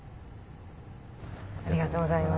ありがとうございます。